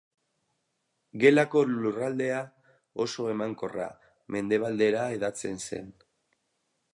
Gelako lurraldea, oso emankorra, mendebaldera hedatzen zen.